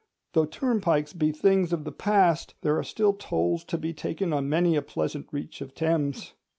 Though turnpikes be things of the past, there are still tolls to be taken on many a pleasant reach of Thames.